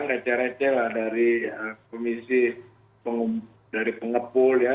rece rece lah dari komisi dari pengepul ya